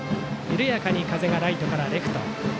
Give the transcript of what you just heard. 緩やかに風がライトからレフト。